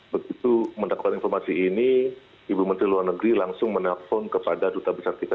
begitu mendapatkan informasi ini ibu menteri luar negeri langsung menelpon kepada duta besar kita